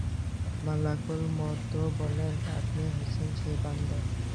মালাকুল মওত বললেন— আপনিই হচ্ছেন সেই বান্দা।